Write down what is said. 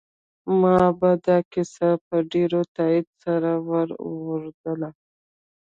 ما به دا کیسه په ډېر تاکید سره ور اوروله